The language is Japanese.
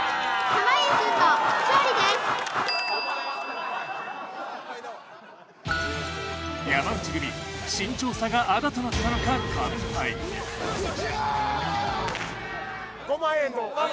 濱家くんの勝利です山内組身長差がアダとなったのか完敗イエーイ！